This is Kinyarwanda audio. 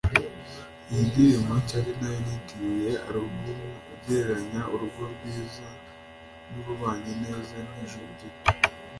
iyi ndirimbo nshya ari nayo nitiriye album igereranya urugo rwiza rubanye neza nk’ijuru rito